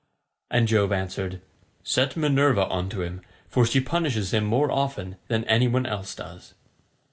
And Jove answered, "Set Minerva on to him, for she punishes him more often than any one else does."